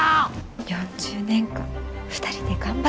４０年間２人で頑張ってきたんです。